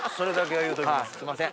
はいすいません。